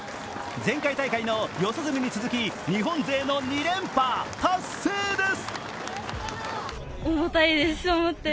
前回大会の四十住に続き日本勢の２連覇達成です！